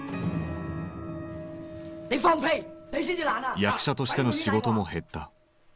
役者としての仕事も減った。